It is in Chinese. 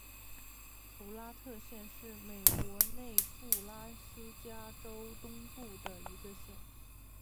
普拉特县是美国内布拉斯加州东部的一个县。